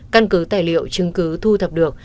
căn cứ tài liệu chứng cứ thu thập được